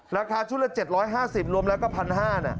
ราคาชุดละ๗๕๐รวมแล้วก็๑๕๐๐บาท